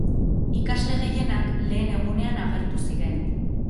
Ikasle gehienak lehen egunean agertu ziren.